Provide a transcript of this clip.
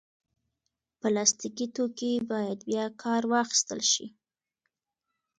پلاستيکي توکي باید بیا کار واخیستل شي.